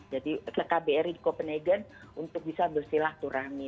jadi ke kbri copenhagen untuk bisa bersilah turangi